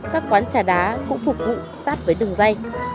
các quán trà đá cũng phục vụ sát với đường dây